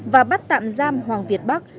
và bắt tạm giam hoàng việt bắc